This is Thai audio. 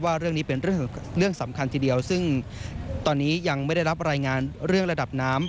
เรื่องนี้เป็นเรื่องสำคัญทีเดียวซึ่งตอนนี้ยังไม่ได้รับรายงานเรื่องระดับน้ำ